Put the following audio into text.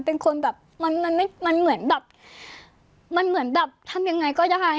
เป็นคนแบบมันเหมือนแบบมันเหมือนแบบทำยังไงก็ได้